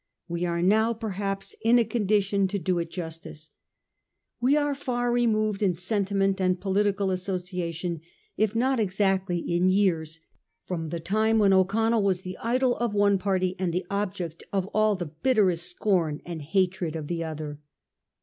We are now, perhaps, in a condition to do it justice. We are far removed in sentiment and political association, if not exactly in years, from the time when O'Connell was the idol of one party, and the object of all the bitterest scorn and hatred of the other.